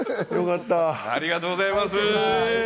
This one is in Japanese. ありがとうございます。